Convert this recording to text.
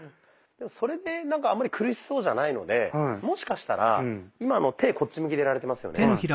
それでなんかあんまり苦しそうじゃないのでもしかしたら今の手こっち向きでやられてますよね。